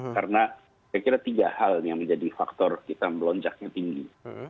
karena saya kira tiga hal yang menjadi faktor kita melonjaknya tinggi